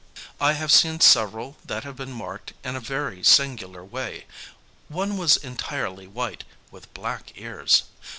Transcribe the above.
I have seen several that have been marked in a very singular way. One was entirely white, with black ears.